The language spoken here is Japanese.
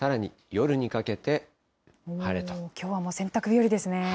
きょうは洗濯日和ですね。